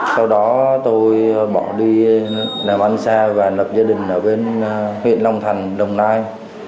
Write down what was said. sau đó tôi bỏ đi làm ăn xa và lập gia đình ở bên huyện long thành đồng nai